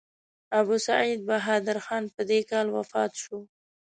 ابوسعید بهادر خان په دې کال وفات شو.